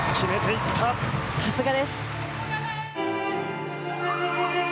さすがです。